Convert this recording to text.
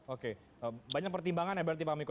oke banyak pertimbangan ya berarti pak miko